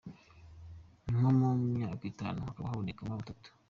Nko mu myaka itanu hakaba habonekamo batatu.